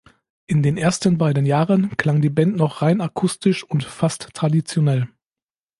In den ersten beiden Jahren klang die Band noch rein akustisch und fast traditionell.